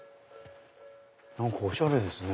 何かおしゃれですね。